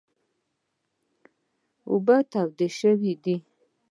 اوبه تودې شوي دي .